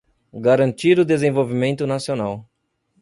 garantir o desenvolvimento nacional;